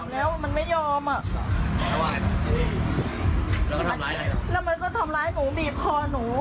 แล้วมันก็ทำร้ายหนูบีบคอหนู